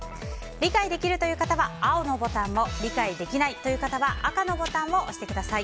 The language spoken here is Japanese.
理解できるという方は青のボタンを理解できないという方は赤のボタンを押してください。